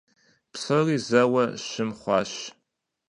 Псори зэуэ щым хъуащ.